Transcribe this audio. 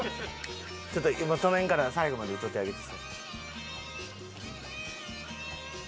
ちょっと今止めんから最後まで歌うてあげて。